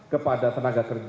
kepada tenaga kerja